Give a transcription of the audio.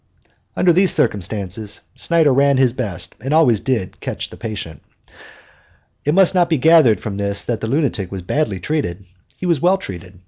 Under these circumstances Snyder ran his best and always did catch the patient. It must not be gathered from this that the lunatic was badly treated. He was well treated.